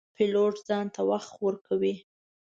پیلوټ ځان ته وخت ورکوي.